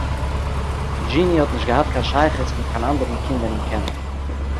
דזשיני האָט נישט געהאַט קיין שייכות מיט קיין איין אַנדערן קינד אינעם קעמפּ